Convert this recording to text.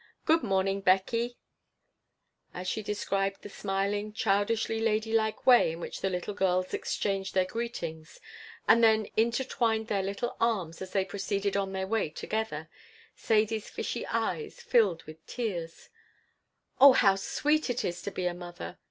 "Good morning, Beckie." As she described the smiling, childishly lady like way in which the little girls exchanged their greetings and then intertwined their little arms as they proceeded on their way together, Sadie's fishy eyes filled with tears "Oh, how sweet it is to be a mother!"